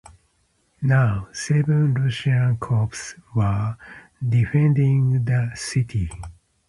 Now seven Russian corps were defending the city.